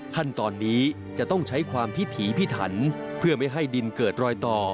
ขั้นตอนนี้จะต้องใช้ความพิถีพิถันเพื่อไม่ให้ดินเกิดรอยต่อ